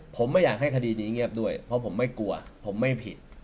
ผมไม่อยากให้คดีนี้เงียบด้วยเพราะผมไม่กลัวผมไม่ผิด